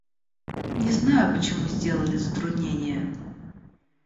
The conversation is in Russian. Не знаю, почему сделали затруднение.